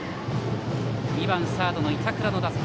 ２番サード、板倉の打席。